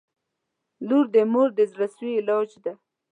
• لور د مور د زړسوي علاج دی.